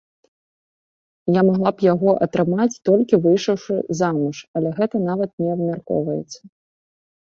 Я магла б яго атрымаць, толькі выйшаўшы замуж, але гэта нават не абмяркоўваецца.